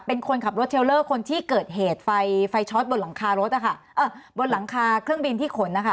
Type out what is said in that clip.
เป็นคนขับรถเทียวเลอร์คนที่เกิดเหตุไฟชอตบนหลังคาเครื่องบินที่ขน